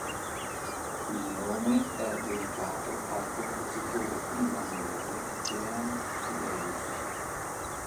Il nome è dedicato al compositore finlandese Jean Sibelius.